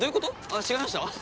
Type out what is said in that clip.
あっ違いまし